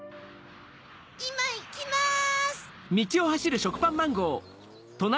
いまいきます！